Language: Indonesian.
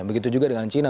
begitu juga dengan china